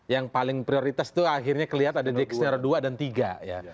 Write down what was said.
yang paling prioritas itu akhirnya kelihatan ada diksiara dua dan tiga ya